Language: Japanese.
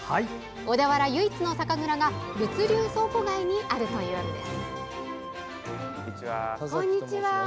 小田原唯一の酒蔵が物流倉庫街にあるというんです。